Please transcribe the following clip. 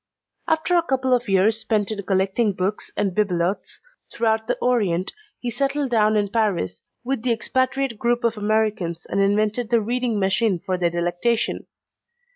After a couple of years spent in collecting books and bibelots throughout the Orient, he settled down in Paris with the expatriate group of Americans and invented the Reading Machine for their delectation.